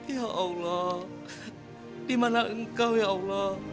ya allah dimana engkau ya allah